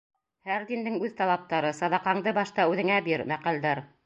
Һәр диндең — үҙ талаптары, Саҙаҡаңды башта үҙеңә бир, Мәҡәлдәр.